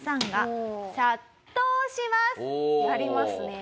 なりますね。